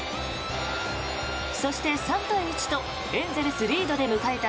そして３対１とエンゼルスリードで迎えた